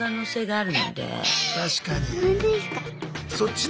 確かに。